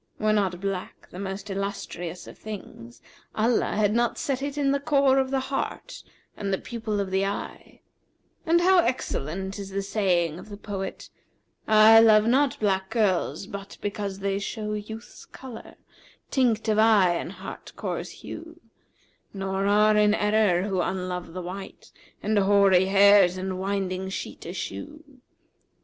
Were not black the most illustrious of things, Allah had not set it in the core of the heart[FN#362] and the pupil of the eye; and how excellent is the saying of the poet, 'I love not black girls but because they show * Youth's colour, tinct of eye and heartcore's hue; Nor are in error who unlove the white, * And hoary hairs and winding sheet eschew.'